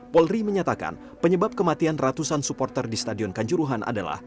polri menyatakan penyebab kematian ratusan supporter di stadion kanjuruhan adalah